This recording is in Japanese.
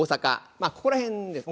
まあここら辺ですね。